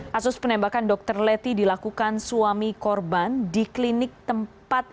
kasus penembakan dokter leti dilakukan suami korban di klinik tempat